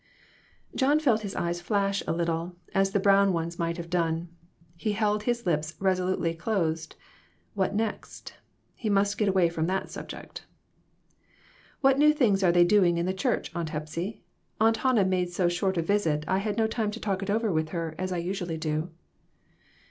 Then John felt his eyes flash a little, as the brown ones might have done. He held his lips resolutely closed. What next ? He must get away from that subject. "What new things are they doing in the church, Aunt Hepsy? Aunt Hannah made so short a visit I had no time to talk it over with her as I usually do."